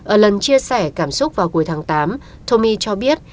ở lần chia sẻ cảm xúc vào cuối tháng tám tomi cho biết